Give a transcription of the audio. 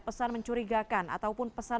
pesan mencurigakan ataupun pesan